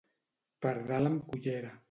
Pardal amb cullera.